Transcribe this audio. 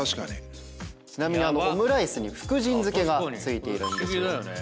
ちなみにオムライスに福神漬けが付いているんです。